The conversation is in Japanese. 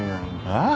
ああ？